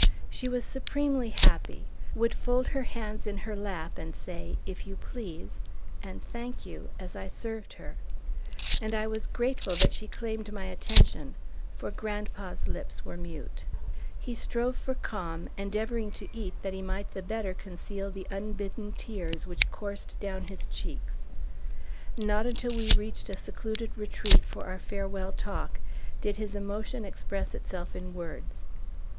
She was supremely happy, would fold her hands in her lap and say, "If you please," and "Thank you," as I served her; and I was grateful that she claimed my attention, for grandpa's lips were mute. He strove for calm, endeavoring to eat that he might the better conceal the unbidden tears which coursed down his cheeks. Not until we reached a secluded retreat for our farewell talk, did his emotion express itself in words.